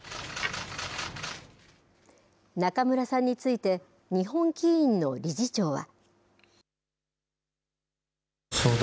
仲邑さんについて、日本棋院の理事長は。